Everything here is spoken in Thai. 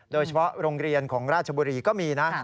โดยเฉพาะโรงเรียนของราชบุรีก็มีนะ